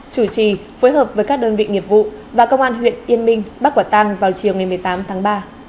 chủ trì phối hợp với các đơn vị nghiệp vụ và công an huyện yên minh bắt quả tăng vào chiều ngày một mươi tám tháng ba